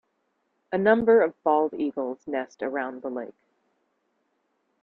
A number of bald eagles nest around the lake.